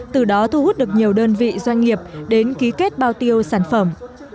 từ đó thu hút được nhiều đơn vị doanh nghiệp đến ký kết bao tiêu sản phẩm